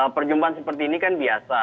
perjumpaan seperti ini kan biasa